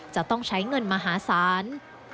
จะต้องใช้เงินมหาศาล